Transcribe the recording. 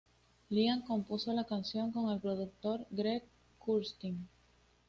Liam compuso la canción con el productor Greg Kurstin.